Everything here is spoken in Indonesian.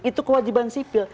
itu kewajiban sipil